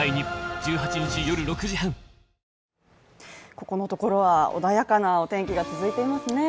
ここのところは穏やかなお天気が続いていますね。